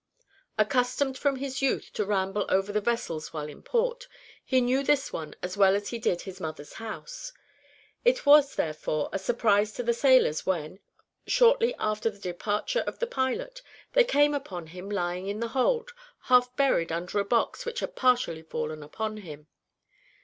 Accustomed from his youth to ramble over the vessels while in port, he knew this one as well as he did his mother's house. It was, therefore, a surprise to the sailors when, shortly after the departure of the pilot, they came upon him lying in the hold, half buried under a box which had partially fallen upon him.